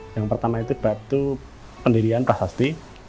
yang pertama itu batu pendirian prasasti